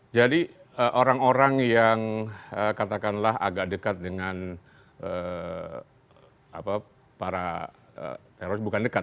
jadi orang orang yang katakanlah agak dekat dengan para teroris bukan dekat